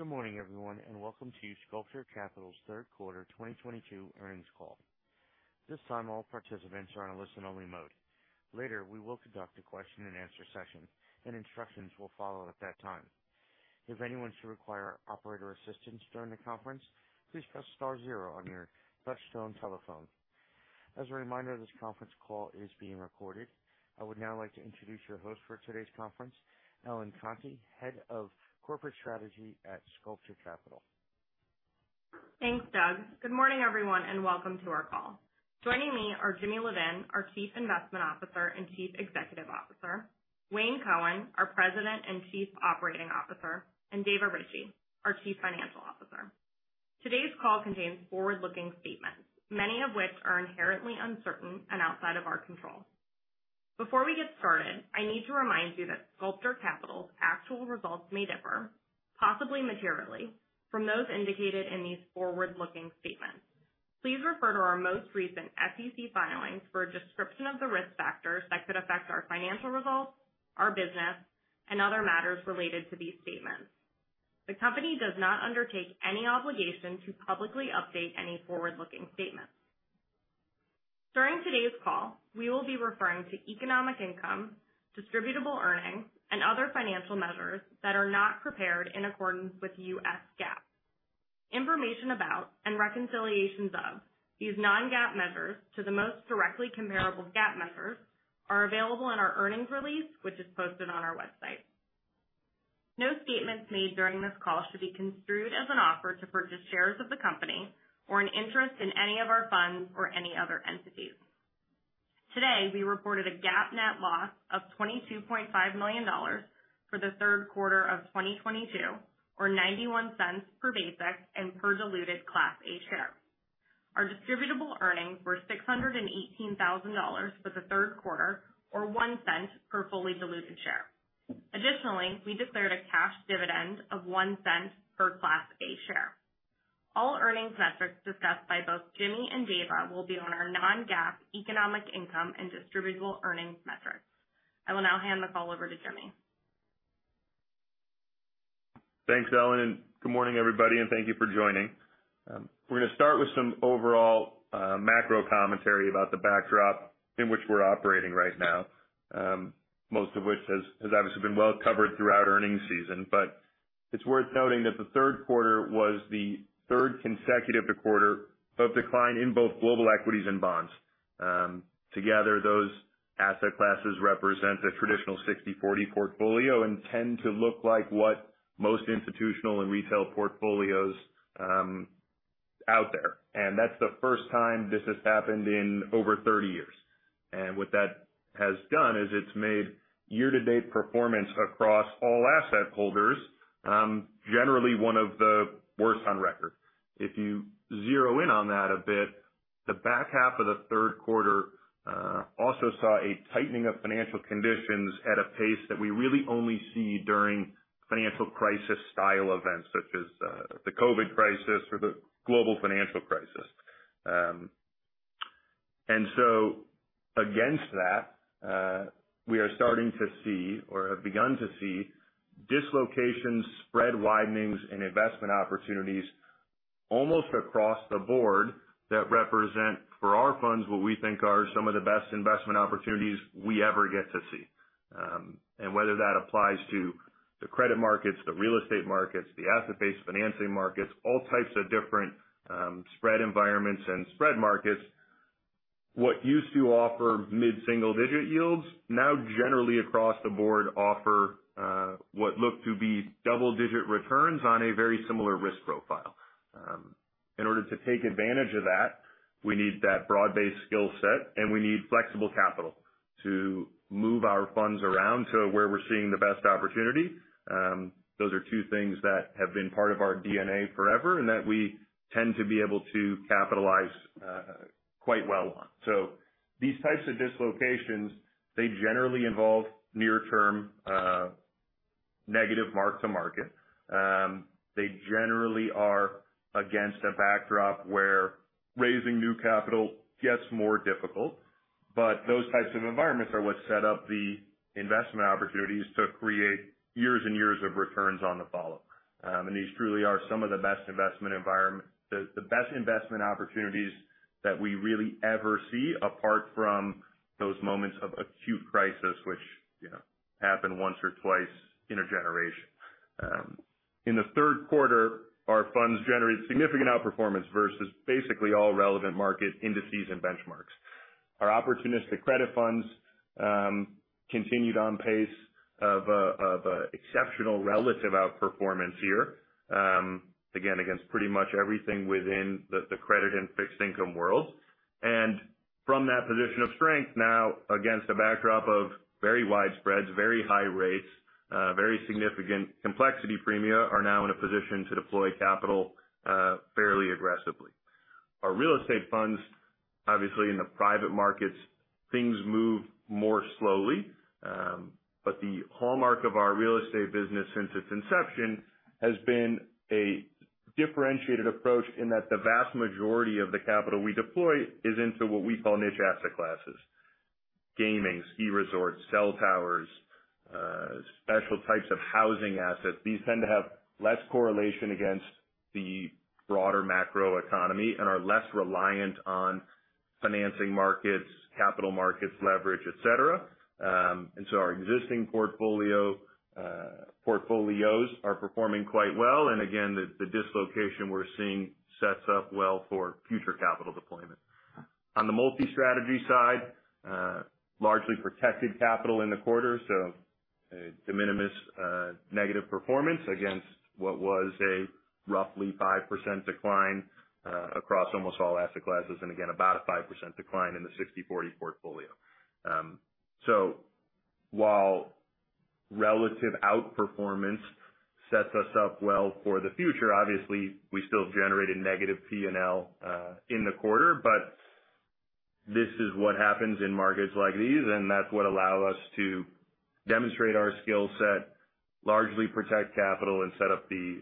Good morning, everyone, welcome to Sculptor Capital's third quarter 2022 earnings call. This time, all participants are on a listen-only mode. Later, we will conduct a question and answer session, instructions will follow at that time. If anyone should require operator assistance during the conference, please press star zero on your touch-tone telephone. As a reminder, this conference call is being recorded. I would now like to introduce your host for today's conference, Ellen Conti, Head of Corporate Strategy at Sculptor Capital. Thanks, Doug. Good morning, everyone, welcome to our call. Joining me are Jimmy Levin, our Chief Investment Officer and Chief Executive Officer, Wayne Cohen, our President and Chief Operating Officer, and David Levine, our Chief Financial Officer. Today's call contains forward-looking statements, many of which are inherently uncertain and outside of our control. Before we get started, I need to remind you that Sculptor Capital's actual results may differ, possibly materially, from those indicated in these forward-looking statements. Please refer to our most recent SEC filings for a description of the risk factors that could affect our financial results, our business, and other matters related to these statements. The company does not undertake any obligation to publicly update any forward-looking statements. During today's call, we will be referring to economic income, distributable earnings, and other financial measures that are not prepared in accordance with the U.S. GAAP. Information about reconciliations of these non-GAAP measures to the most directly comparable GAAP measures are available in our earnings release, which is posted on our website. No statements made during this call should be construed as an offer to purchase shares of the company or an interest in any of our funds or any other entities. Today, we reported a GAAP net loss of $22.5 million for the third quarter of 2022, or $0.91 per basic and per diluted Class A share. Our distributable earnings were $618,000 for the third quarter, or $0.01 per fully diluted share. Additionally, we declared a cash dividend of $0.01 per Class A share. All earnings metrics discussed by both Jimmy and David will be on our non-GAAP economic income and distributable earnings metrics. I will now hand the call over to Jimmy. Thanks, Ellen, good morning, everybody, thank you for joining. We're going to start with some overall macro commentary about the backdrop in which we're operating right now. Most of which has obviously been well covered throughout earnings season. It's worth noting that the third quarter was the third consecutive quarter of decline in both global equities and bonds. Together, those asset classes represent the traditional 60/40 portfolio tend to look like what most institutional and retail portfolios out there. That's the first time this has happened in over 30 years. What that has done is it's made year-to-date performance across all asset holders generally one of the worst on record. If you zero in on that a bit, the back half of the third quarter also saw a tightening of financial conditions at a pace that we really only see during financial crisis-style events, such as the COVID crisis or the global financial crisis. Against that, we are starting to see or have begun to see dislocations, spread widenings, and investment opportunities almost across the board that represent for our funds what we think are some of the best investment opportunities we ever get to see. Whether that applies to the credit markets, the real estate markets, the asset-based financing markets, all types of different spread environments and spread markets, what used to offer mid-single-digit yields now generally across the board offer what look to be double-digit returns on a very similar risk profile. In order to take advantage of that, we need that broad-based skill set, and we need flexible capital to move our funds around to where we're seeing the best opportunity. Those are two things that have been part of our DNA forever and that we tend to be able to capitalize quite well on. These types of dislocations, they generally involve near-term negative mark to market. They generally are against a backdrop where raising new capital gets more difficult. Those types of environments are what set up the investment opportunities to create years and years of returns on the follow. These truly are some of the best investment opportunities that we really ever see apart from those moments of acute crisis, which happen once or twice in a generation. In the third quarter, our funds generated significant outperformance versus basically all relevant market indices and benchmarks. Our opportunistic credit funds continued on pace of exceptional relative outperformance here, again, against pretty much everything within the credit and fixed income world. From that position of strength now against a backdrop of very wide spreads, very high rates, very significant complexity premia, are now in a position to deploy capital fairly aggressively. Our real estate funds, obviously in the private markets, things move more slowly. The hallmark of our real estate business since its inception has been a differentiated approach in that the vast majority of the capital we deploy is into what we call niche asset classes Gaming, ski resorts, cell towers, special types of housing assets. These tend to have less correlation against the broader macroeconomy and are less reliant on financing markets, capital markets, leverage, et cetera. Our existing portfolios are performing quite well. Again, the dislocation we're seeing sets up well for future capital deployment. On the multi-strategy side, largely protected capital in the quarter. De minimis negative performance against what was a roughly 5% decline across almost all asset classes, and again, about a 5% decline in the 60/40 portfolio. While relative outperformance sets us up well for the future, obviously we still generated negative P&L in the quarter. This is what happens in markets like these, and that's what allow us to demonstrate our skill set, largely protect capital and set up the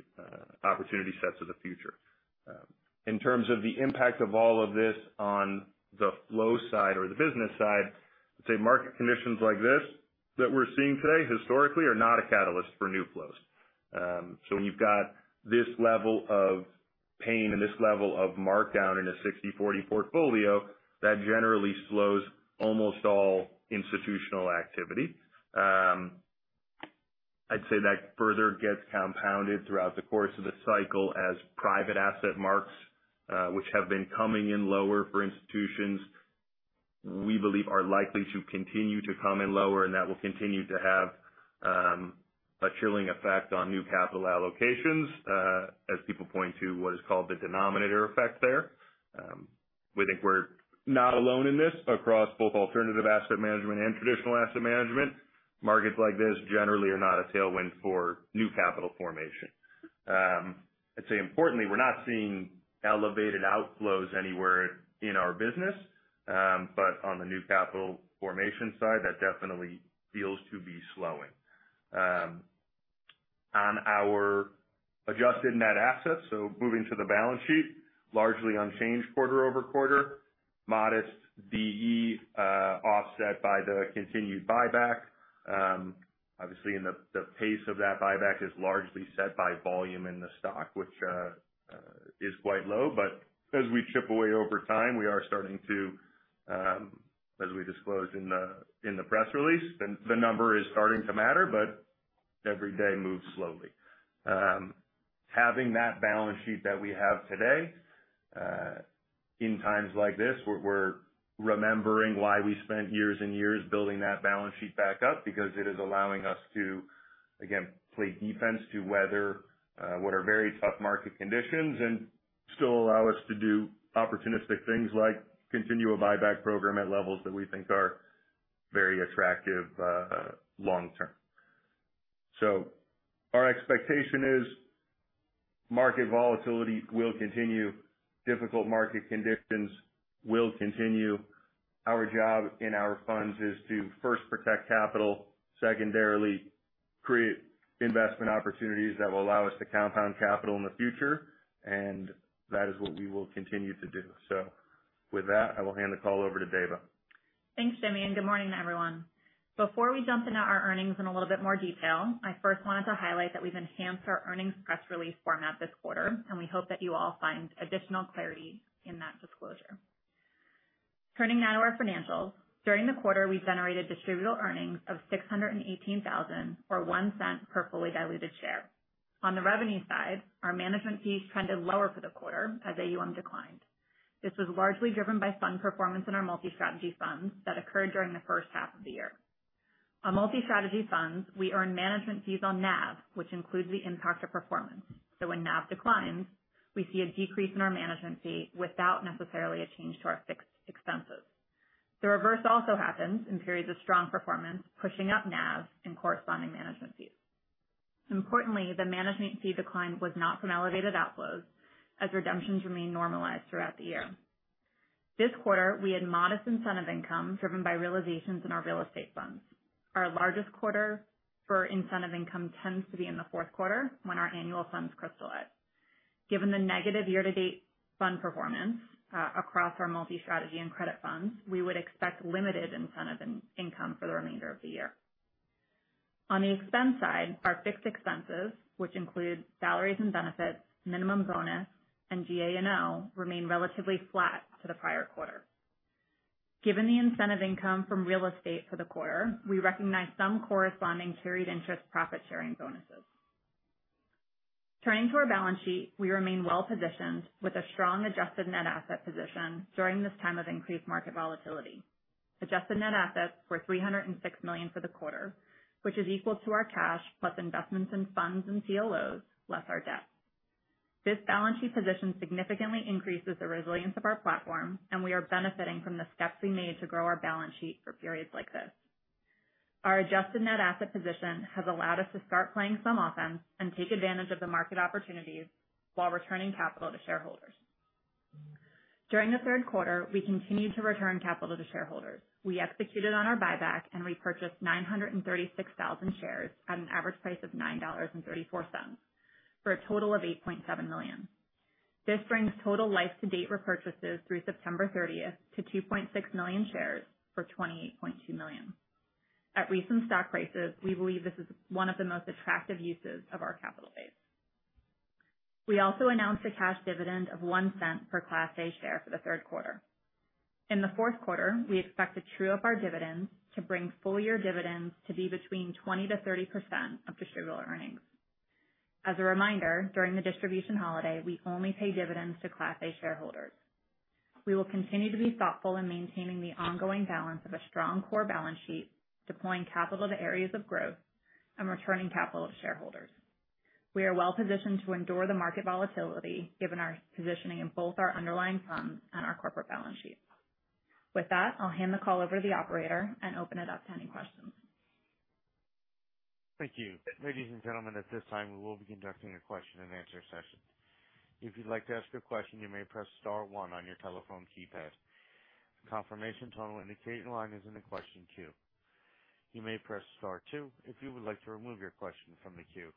opportunity sets of the future. In terms of the impact of all of this on the flow side or the business side, I'd say market conditions like this that we're seeing today historically are not a catalyst for new flows. When you've got this level of pain and this level of markdown in a 60/40 portfolio, that generally slows almost all institutional activity. I'd say that further gets compounded throughout the course of the cycle as private asset marks, which have been coming in lower for institutions we believe are likely to continue to come in lower. And that will continue to have a chilling effect on new capital allocations, as people point to what is called the denominator effect there. We think we're not alone in this across both alternative asset management and traditional asset management. Markets like this generally are not a tailwind for new capital formation. I'd say importantly, we're not seeing elevated outflows anywhere in our business. On the new capital formation side, that definitely feels to be slowing. On our adjusted net assets, moving to the balance sheet, largely unchanged quarter-over-quarter. Modest DE offset by the continued buyback. Obviously the pace of that buyback is largely set by volume in the stock, which is quite low. But as we chip away over time, we are starting to, as we disclosed in the press release, the number is starting to matter, but every day moves slowly. Having that balance sheet that we have today, in times like this, we're remembering why we spent years and years building that balance sheet back up because it is allowing us to, again, play defense to weather what are very tough market conditions. And still allow us to do opportunistic things like continue a buyback program at levels that we think are very attractive long term. Our expectation is market volatility will continue, difficult market conditions will continue. Our job in our funds is to first protect capital, secondarily, create investment opportunities that will allow us to compound capital in the future, and that is what we will continue to do. With that, I will hand the call over to Dava. Thanks, Jimmy, and good morning, everyone. Before we jump into our earnings in a little bit more detail, I first wanted to highlight that we've enhanced our earnings press release format this quarter, and we hope that you all find additional clarity in that disclosure. Turning now to our financials. During the quarter, we generated distributable earnings of $618,000 or $0.01 per fully diluted share. On the revenue side, our management fees trended lower for the quarter as AUM declined. This was largely driven by fund performance in our multi-strategy funds that occurred during the first half of the year. On multi-strategy funds, we earn management fees on NAV, which includes the impact of performance. So when NAV declines, we see a decrease in our management fee without necessarily a change to our fixed expenses. The reverse also happens in periods of strong performance, pushing up NAV and corresponding management fees. Importantly, the management fee decline was not from elevated outflows as redemptions remain normalized throughout the year. This quarter, we had modest incentive income driven by realizations in our real estate funds. Our largest quarter for incentive income tends to be in the fourth quarter when our annual funds crystallize. Given the negative year-to-date fund performance across our multi-strategy and credit funds, we would expect limited incentive income for the remainder of the year. On the expense side, our fixed expenses, which include salaries and benefits, minimum bonus, and G&A, remain relatively flat to the prior quarter. Given the incentive income from real estate for the quarter, we recognize some corresponding carried interest profit-sharing bonuses. Turning to our balance sheet, we remain well-positioned with a strong adjusted net asset position during this time of increased market volatility. Adjusted net assets were $306 million for the quarter, which is equal to our cash plus investments in funds and CLOs, less our debt. This balance sheet position significantly increases the resilience of our platform. We are benefiting from the steps we made to grow our balance sheet for periods like this. Our adjusted net asset position has allowed us to start playing some offense and take advantage of the market opportunities while returning capital to shareholders. During the third quarter, we continued to return capital to shareholders. We executed on our buyback and repurchased 936,000 shares at an average price of $9.34, for a total of $8.7 million. This brings total life-to-date repurchases through September 30th to 2.6 million shares for $28.2 million. At recent stock prices, we believe this is one of the most attractive uses of our capital base. We also announced a cash dividend of $0.01 per Class A share for the third quarter. In the fourth quarter, we expect to true up our dividends to bring full-year dividends to be between 20%-30% of distributable earnings. As a reminder, during the distribution holiday, we only pay dividends to Class A shareholders. We will continue to be thoughtful in maintaining the ongoing balance of a strong core balance sheet, deploying capital to areas of growth and returning capital to shareholders. We are well-positioned to endure the market volatility, given our positioning in both our underlying funds and our corporate balance sheet. With that, I'll hand the call over to the operator and open it up to any questions. Thank you. Ladies and gentlemen, at this time, we will be conducting a question and answer session. If you'd like to ask a question, you may press star one on your telephone keypad. A confirmation tone will indicate your line is in the question queue. You may press star two if you would like to remove your question from the queue.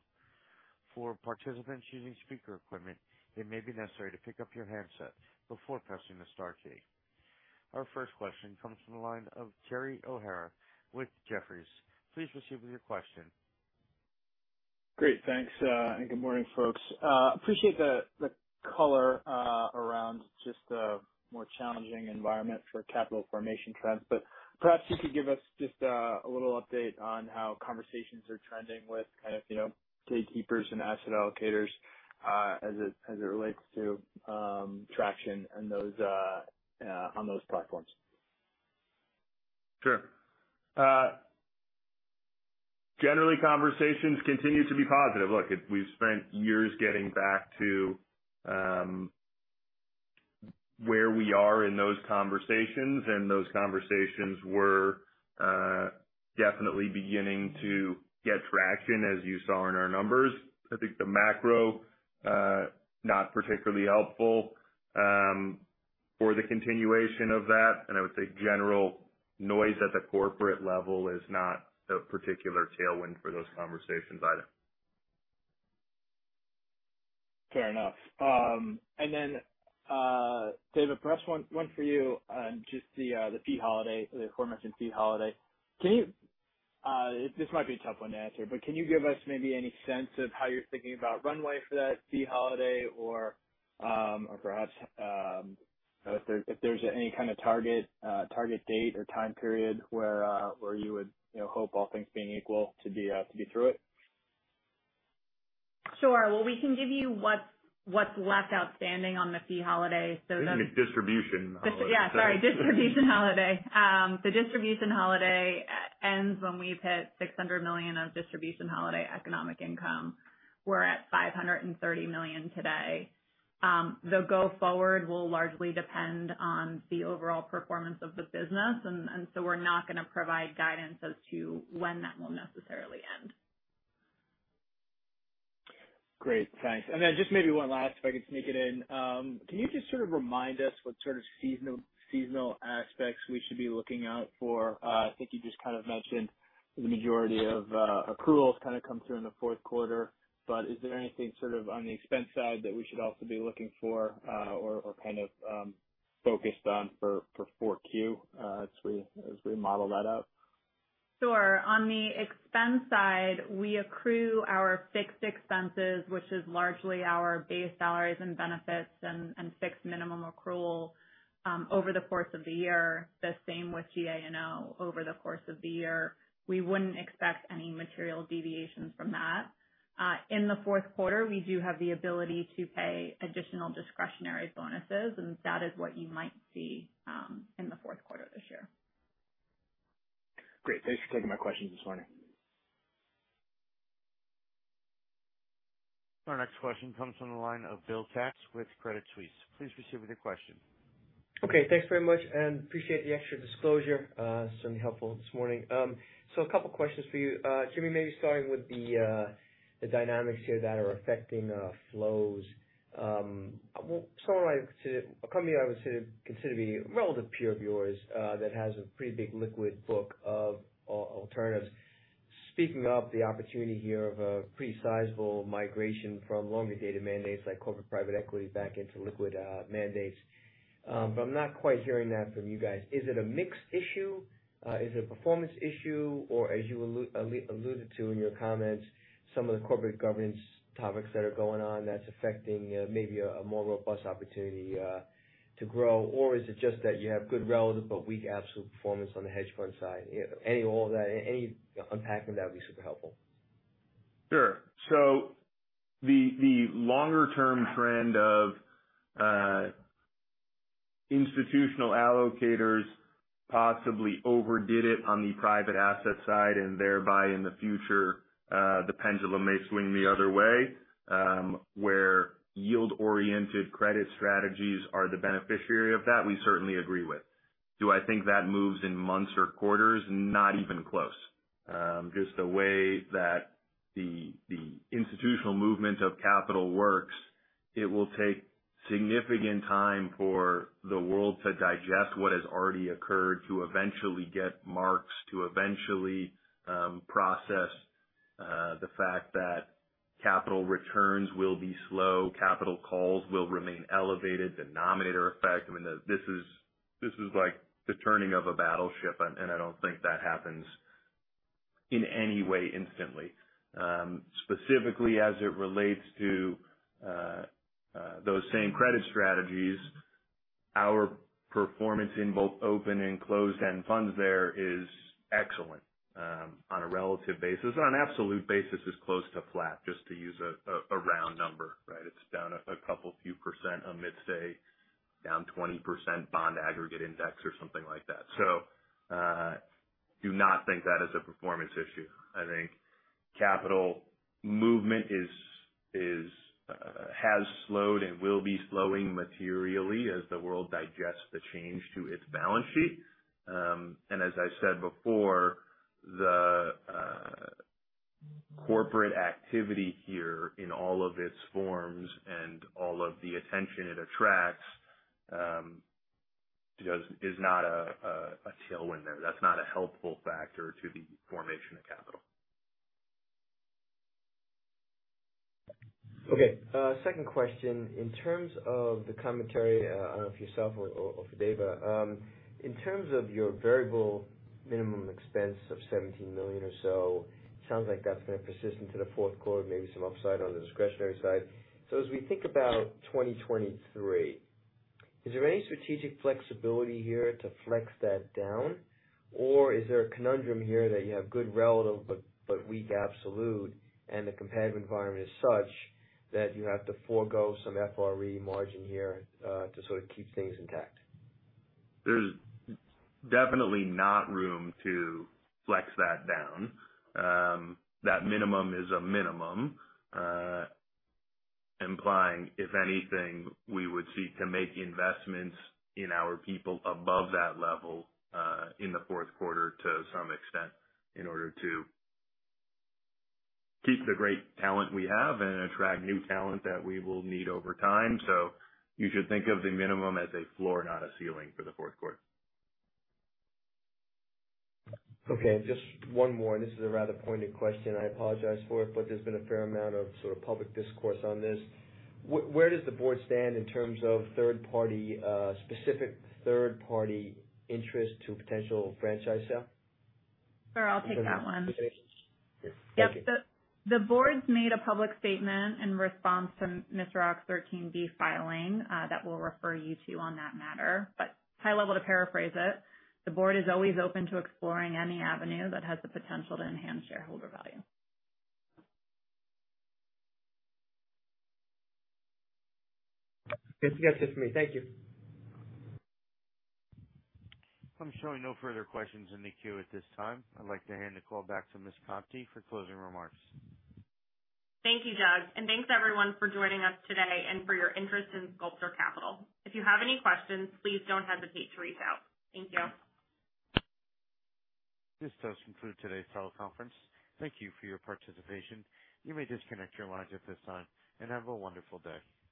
For participants using speaker equipment, it may be necessary to pick up your handset before pressing the star key. Our first question comes from the line of Jerry O'Hara with Jefferies. Please proceed with your question. Great. Thanks, and good morning, folks. Appreciate the color around just the more challenging environment for capital formation trends, perhaps you could give us just a little update on how conversations are trending with kind of gatekeepers and asset allocators, as it relates to traction on those platforms. Sure. Generally, conversations continue to be positive. Look, we've spent years getting back to where we are in those conversations, those conversations were definitely beginning to get traction, as you saw in our numbers. I think the macro, not particularly helpful, for the continuation of that, I would say general noise at the corporate level is not a particular tailwind for those conversations either. Fair enough. David, perhaps one for you on just the fee holiday, the aforementioned fee holiday. This might be a tough one to answer, but can you give us maybe any sense of how you're thinking about runway for that fee holiday or, perhaps, if there's any kind of target date or time period where you would hope, all things being equal, to be through it? Sure. Well, we can give you what's left outstanding on the fee holiday. You mean distribution holiday. Yeah, sorry. Distribution holiday. The distribution holiday ends when we've hit $600 million of distribution holiday economic income. We're at $530 million today. The go forward will largely depend on the overall performance of the business, so we're not going to provide guidance as to when that will necessarily end. Great. Thanks. Just maybe one last, if I could sneak it in. Can you just sort of remind us what sort of seasonal aspects we should be looking out for? I think you just kind of mentioned the majority of accruals kind of come through in the fourth quarter. Is there anything sort of on the expense side that we should also be looking for or kind of focused on for 4Q as we model that out? Sure. On the expense side, we accrue our fixed expenses, which is largely our base salaries and benefits and fixed minimum accrual over the course of the year. The same with G&A over the course of the year. We wouldn't expect any material deviations from that. In the fourth quarter, we do have the ability to pay additional discretionary bonuses, that is what you might see in the fourth quarter this year. Great. Thanks for taking my questions this morning. Our next question comes from the line of Bill Katz with Credit Suisse. Please proceed with your question. Okay. Thanks very much and appreciate the extra disclosure. Certainly helpful this morning. A couple questions for you. Jimmy, maybe starting with the dynamics here that are affecting flows. A company I would consider to be a relative peer of yours that has a pretty big liquid book of alternatives. Speaking of the opportunity here of a pretty sizable migration from longer dated mandates like corporate private equity back into liquid mandates. I'm not quite hearing that from you guys. Is it a mix issue? Is it a performance issue? Or as you alluded to in your comments, some of the corporate governance topics that are going on that's affecting maybe a more robust opportunity to grow? Or is it just that you have good relative but weak absolute performance on the hedge fund side? Any unpacking that would be super helpful. Sure. The longer term trend of institutional allocators possibly overdid it on the private asset side and thereby in the future, the pendulum may swing the other way, where yield-oriented credit strategies are the beneficiary of that, we certainly agree with. Do I think that moves in months or quarters? Not even close. Just the way that the institutional movement of capital works, it will take significant time for the world to digest what has already occurred, to eventually get marks, to eventually process The fact that capital returns will be slow, capital calls will remain elevated, denominator effect. This is like the turning of a battleship, and I don't think that happens in any way instantly. Specifically as it relates to those same credit strategies, our performance in both open and closed-end funds there is excellent on a relative basis. On an absolute basis, it's close to flat, just to use a round number, right? It's down a couple, few percent amidst a down 20% bond aggregate index or something like that. I do not think that is a performance issue. I think capital movement has slowed and will be slowing materially as the world digests the change to its balance sheet. As I said before, the corporate activity here in all of its forms and all of the attention it attracts is not a tailwind there. That's not a helpful factor to the formation of capital. Okay. Second question. In terms of the commentary, I don't know if yourself or for David, in terms of your variable minimum expense of $17 million or so, sounds like that's going to persist into the fourth quarter, maybe some upside on the discretionary side. As we think about 2023, is there any strategic flexibility here to flex that down? Or is there a conundrum here that you have good relative but weak absolute, and the competitive environment is such that you have to forego some FRE margin here to sort of keep things intact? There's definitely not room to flex that down. That minimum is a minimum, implying, if anything, we would seek to make investments in our people above that level, in the fourth quarter to some extent in order to keep the great talent we have and attract new talent that we will need over time. You should think of the minimum as a floor, not a ceiling for the fourth quarter. Okay. Just one more. This is a rather pointed question. I apologize for it, There's been a fair amount of sort of public discourse on this. Where does the board stand in terms of specific third-party interest to potential franchise sale? Sure, I'll take that one. Yes. Thank you. Yep. The board's made a public statement in response to Mr. Och's 13D filing, that we'll refer you to on that matter, but high-level to paraphrase it, the board is always open to exploring any avenue that has the potential to enhance shareholder value. That's it for me. Thank you. I'm showing no further questions in the queue at this time. I'd like to hand the call back to Ms. Conti for closing remarks. Thank you, Doug. Thanks everyone for joining us today and for your interest in Sculptor Capital. If you have any questions, please don't hesitate to reach out. Thank you. This does conclude today's teleconference. Thank you for your participation. You may disconnect your lines at this time, and have a wonderful day.